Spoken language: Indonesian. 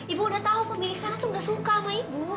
ibu udah tahu pemilik sana tuh gak suka sama ibu